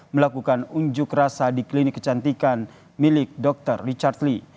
melakukan unjuk rasa di klinik kecantikan milik dr richard lee